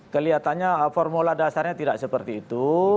kelihatannya formula dasarnya tidak seperti itu